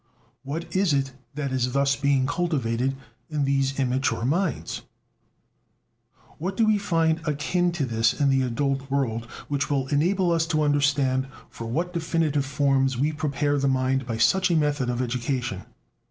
What is it that is thus being cultivated in these immature minds? What do we find akin to this in the adult world which will enable us to understand for what definitive forms we prepare the mind by such a method of education?